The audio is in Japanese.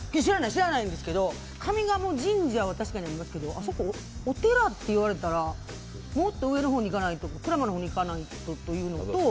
知らないんですけど上賀茂神社は確かにありますけどあそこ、お寺っていわれたらもっと上のほう、鞍馬のほうに行かないとっていうのと。